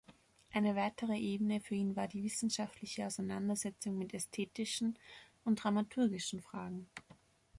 Eine weitere Ebene für ihn war die wissenschaftliche Auseinandersetzung mit ästhetischen und dramaturgischen Fragen.